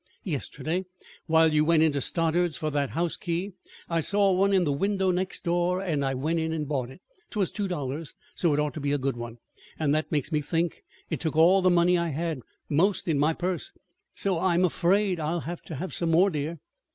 "Yesterday, while you went into Stoddard's for that house key. I saw one in the window next door and I went in and bought it. 'Twas two dollars, so it ought to be a good one. And that makes me think. It took all the money I had, 'most, in my purse. So I I'm afraid I'll have to have some more, dear."